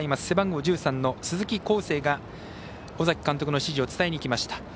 背番号１３の鈴木航生が尾崎監督の指示を伝えにいきました。